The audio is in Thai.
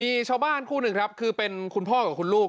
มีชาวบ้านคู่หนึ่งครับคือเป็นคุณพ่อกับคุณลูก